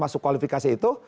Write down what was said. masuk kualifikasi itu